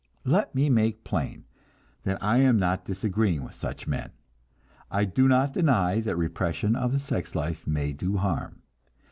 Let me make plain that I am not disagreeing with such men. I do not deny that repression of the sex life may do harm.